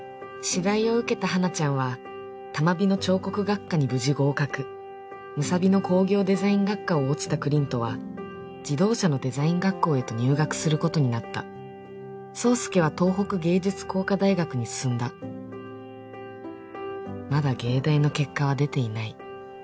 私大を受けたハナちゃんは多摩美の彫刻学科に無事合格武蔵美の工業デザイン学科を落ちたクリントは自動車のデザイン学校へと入学することになった草介は東北芸術工科大学に進んだまだ藝大の結果は出ていない